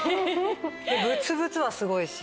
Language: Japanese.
ブツブツはすごいし。